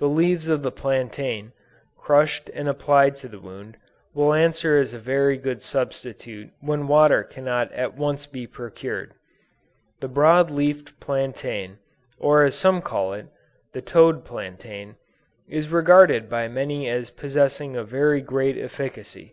The leaves of the plantain, crushed and applied to the wound, will answer as a very good substitute when water cannot at once be procured. The broad leafed plantain, or as some call it, "the toad plantain," is regarded by many as possessing a very great efficacy.